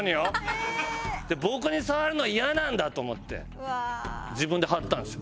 僕に触るのイヤなんだと思って自分で貼ったんですよ